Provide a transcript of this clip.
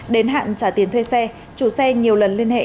đến hạn trả tiền thuê xe chủ xe nhiều lần liên hệ